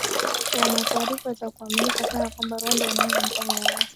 wana taarifa za kuaminika sana kwamba Rwanda inaunga mkono waasi hao na